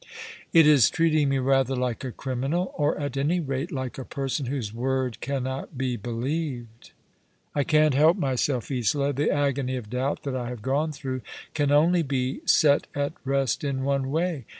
" It is treating me rather like a criminal ; or, at any rate, like a person whose word cannot be believed." " I can't help myself, Isola. The agony of doubt that I have gone through can only bo set at rest in one way.